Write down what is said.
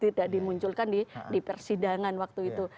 tidak dimunculkan di persidangan waktu itu